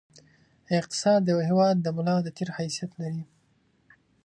اقتصاد د یوه هېواد د ملا د تېر حیثیت لري.